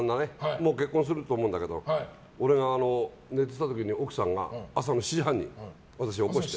もう結婚すると思うんだけど俺が寝てた時に奥さんが、朝の７時半に私を起こして。